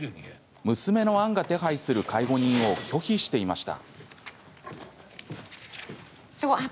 娘のアンが手配する介護人を拒否していました。